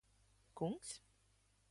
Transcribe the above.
Kungs?